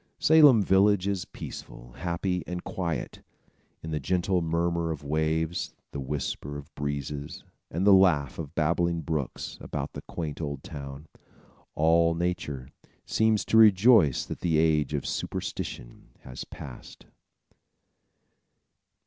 Salem Village is peaceful, happy and quiet. In the gentle murmur of waves, the whisper of breezes and the laugh of babbling brooks, about the quaint old town, all nature seems to rejoice that the age of superstition has passed.